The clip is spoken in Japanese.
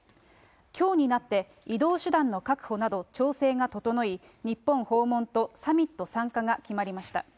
きょうになって、移動手段の確保など、調整が整い、日本訪問とサミット参加が決まりました。